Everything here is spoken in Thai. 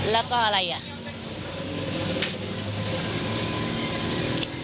แล้วก็อะไรอ่ะ